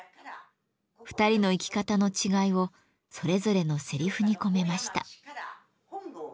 ２人の生き方の違いをそれぞれのせりふに込めました。